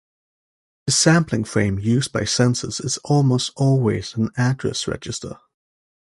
The sampling frame used by census is almost always an address register.